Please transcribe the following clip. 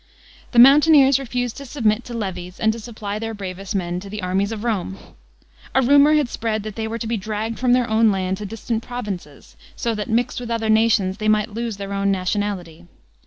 The mountaineers refused to submit to levies and to supply their bravest men to the armies of Rome. A rumour had spread that they were to be dragged from their own land to distant provinces, so that, mixed with other nations, they might lose their own nationality.